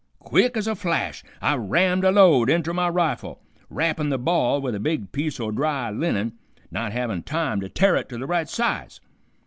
Quick ez a flash I rammed a load inter my rifle, wrappin' the ball with a big piece o' dry linen, not havin' time to tear it to the right size.